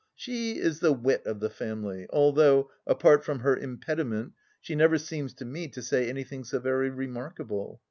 She is the wit of the family, although, apart from her impediment, she never seems to me to say anything so very remarkable.